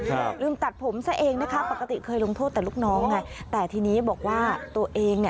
หรือตัดผมซะเองนะครับปกติเคยลงโทษแต่ลูกน้องไงแต่ทีนี้บอกว่าตัวเอง